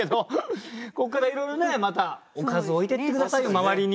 ここからいろいろねまたおかずを置いていって下さいよ周りに。